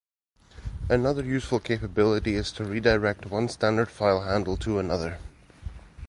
Another useful capability is to redirect one standard file handle to another.